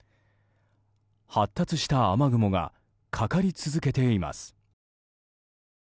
発達した雨雲がかかり続けています。